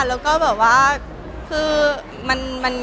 รู้ใจรู้พรุ้งอะ